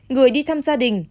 người đi thăm gia đình